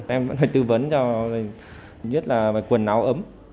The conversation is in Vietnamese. em vẫn phải tư vấn cho nhất là quần áo ấm